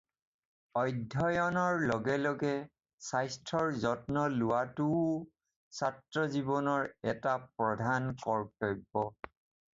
অধ্যয়নৰ লগে লগে স্বাস্থ্যৰ যত্ন লোৱাটোও ছাত্ৰ জীৱনৰ এটা প্ৰধান কৰ্তব্য।